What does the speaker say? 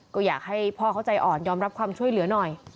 ก็อยากให้พ่อเขาใจอ่อนยอมรับความช่วยเหลือหน่อย